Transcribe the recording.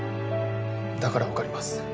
だから分かります。